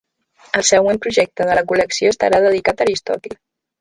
El següent projecte de la col·lecció estarà dedicat a Aristòtil.